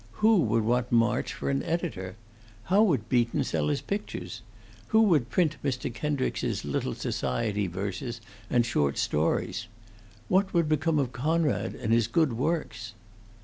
Who would want March for an editor? How would Beaton sell his pictures? Who would print Mr. Kendricks's little society verses and short stories? What would become of Conrad and his good works?"